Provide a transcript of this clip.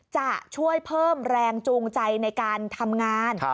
จะช่วยเพิ่มแรงจูงใจในการทำงาน